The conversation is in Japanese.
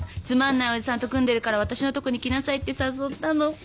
つまんないおじさんと組んでるから私のとこに来なさいって誘ったの。